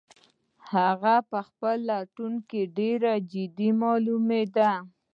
هغه په خپل لټون کې ډېر جدي معلومېده.